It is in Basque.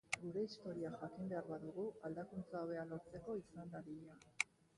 Gure historia jakin behar badugu, aldakuntza hobea lortzeko izan dadila.